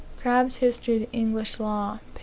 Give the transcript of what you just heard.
Crabbe's History of the English Law, p.